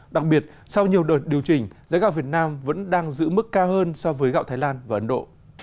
đặc biệt sau nhiều đợt điều chỉnh giá gạo việt nam vẫn đang giữ mức cao hơn so với gạo thái lan và ấn độ